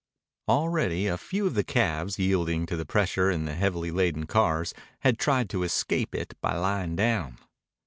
Already a few of the calves, yielding to the pressure in the heavily laden cars, had tried to escape it by lying down.